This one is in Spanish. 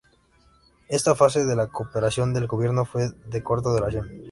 Esta fase de la cooperación del gobierno fue de corta duración.